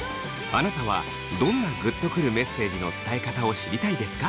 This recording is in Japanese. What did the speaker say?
あなたはどんなグッとくるメッセージの伝え方を知りたいですか？